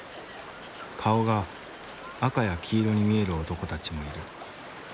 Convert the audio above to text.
顔が赤や黄色に見える男たちもいる。